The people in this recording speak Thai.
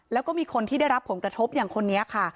แล้วก็มีคนที่ได้รับผลกระทบอย่างคนนี้ค่ะ